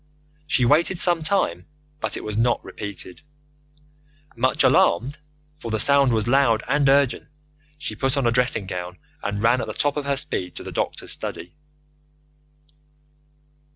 She waited some time, but it was not repeated. Much alarmed, for the sound was loud and urgent, she put on a dressing gown, and ran at the top of her speed to the doctor's study.